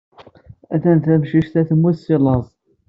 Atan tamcict-a temmut si laẓ.